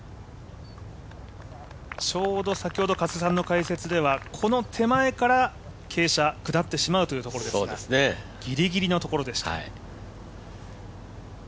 ちょうど先ほど加瀬さんの解説ではこの手前から傾斜、下ってしまうというところでしたが、ギリギリのところでした。